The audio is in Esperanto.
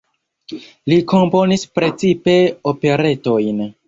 Li komponis precipe operetojn.